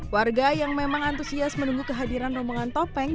warga yang memang antusias menunggu kehadiran rombongan topeng